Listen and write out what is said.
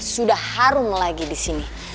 sudah harum lagi di sini